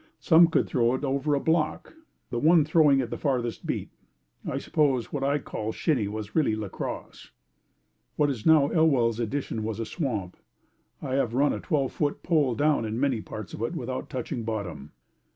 Some could throw it over a block. The one throwing it farthest beat. I suppose what I call "shinny" was really La Crosse. What is now Elwell's Addition was a swamp. I have run a twelve foot pole down in many parts of it without touching bottom.